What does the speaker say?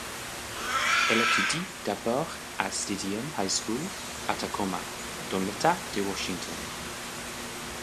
Elle étudie d'abord à Stadium High School à Tacoma, dans l'État de Washington.